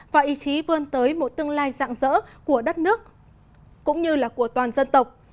và ý chí vươn tới một tương lai dạng dỡ của đất nước cũng như là của toàn dân tộc